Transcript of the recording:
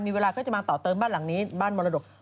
มีเวลาก็จะมาต่อเติมบ้านหลังนี้บ้านมรดก